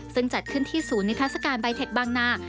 ซึ่งจัดขึ้นที่ศูนย์นิทัศกาลใบเทคบางนา